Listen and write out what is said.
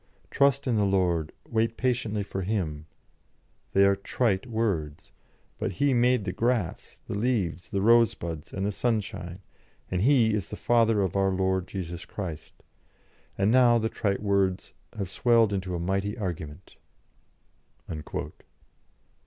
'Trust in the Lord, wait patiently for Him' they are trite words. But He made the grass, the leaves, the rosebuds, and the sunshine, and He is the Father of our Lord Jesus Christ. And now the trite words have swelled into a mighty argument."